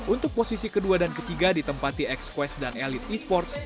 untuk posisi kedua dan ketiga ditempati x quest dan elite esports